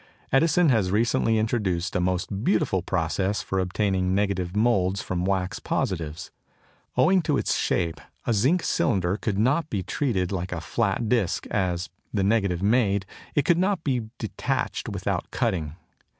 Edison has recently introduced a most beautiful process for obtaining negative moulds from wax positives. Owing to its shape, a zinc cylinder could not be treated like a flat disc, as, the negative made, it could not be detached without cutting.